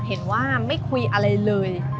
เห็นว่าไม่คุยอะไรเลย